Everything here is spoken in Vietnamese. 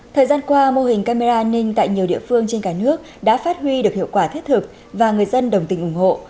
thời gian qua mô hình camera an ninh tại nhiều địa phương trên cả nước đã phát huy được hiệu quả thiết thực và người dân đồng tình ủng hộ